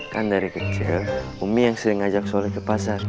kan dari kecil umi yang sedang ngajak sholat ke pasar